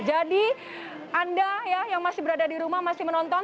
jadi anda yang masih berada di rumah masih menonton